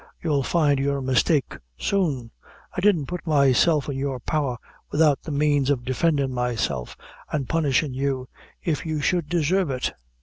You'll find your mistake soon. I didn't put myself in your power without the manes of defendin' myself an' punishin' you, if you should desarve it."